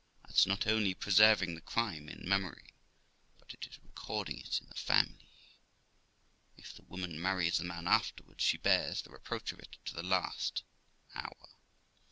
That's not only preserving the crime in memory, but it is recording it in the family. If the woman marries the man afterwards, she bears the reproach of it to the last hour.